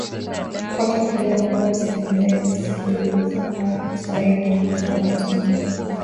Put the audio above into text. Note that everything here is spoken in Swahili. kupata ukweli wa mambo msikilizaji sikiliza rfi kiswahili na kuhusu wakti ni